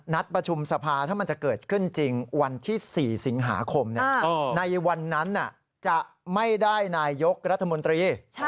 ในวันนั้นจะไม่ได้นายกรัฐบนตรี